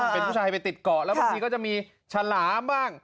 เป็นผู้ชายไปติดเกาะแล้วบางทีก็จะมีฉลามบ้าง